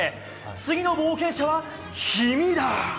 次の冒険者は君だ！